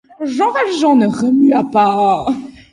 Jean Valjean ne remua pas.